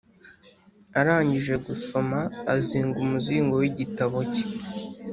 Arangije gusoma azinga umuzingo w igitabo cye